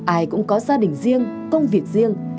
ai cũng có gia đình riêng công việc riêng